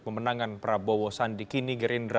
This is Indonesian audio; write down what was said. pemenangan prabowo sandi kini gerindra